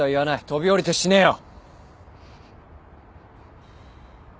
飛び降りて死ねよ。